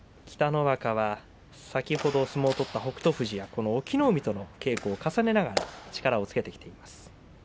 北の若は先ほど相撲を取った北勝富士や隠岐の海との稽古を重ねながら力をつけてきています。